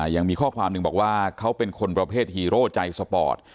ยังมีข้อความหนึ่งบอกว่าเขาเป็นคนประเภทฮีโร่ใจสปอร์ต